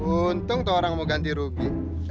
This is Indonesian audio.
untung tuh orang mau ganti rugi